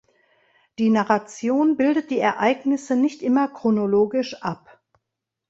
Die Narration bildet die Ereignisse nicht immer chronologisch ab.